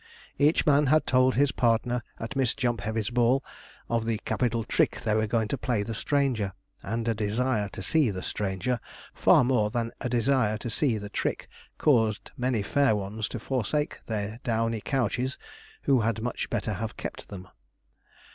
Each man had told his partner at Miss Jumpheavy's ball of the capital trick they were going to play the stranger; and a desire to see the stranger, far more than a desire to see the trick, caused many fair ones to forsake their downy couches who had much better have kept them.